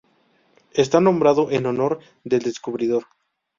Está nombrado en honor del descubridor.